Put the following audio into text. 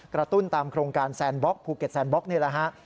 กระตุ้นตามโครงการภูเก็ตแซนบ็อกซ์นี่แหละ